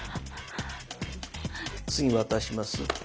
次渡します。